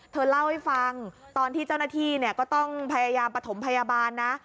เธอเล่าให้ฟังตอนที่เจ้าหน้าที่ก็ต้องพยายามประถมพยาบาลนะ